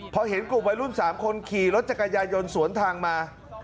พอเห็นกลุ่มวัยรุ่น๓คนขี่รถจักรยายนสวนทางมา